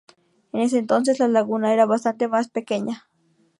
En ese entonces, la laguna era bastante más pequeña.